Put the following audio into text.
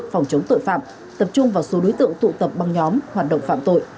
phòng chống tội phạm tập trung vào số đối tượng tụ tập băng nhóm hoạt động phạm tội